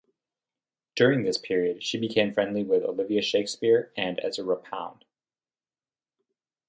During this period she became friendly with Olivia Shakespear and Ezra Pound.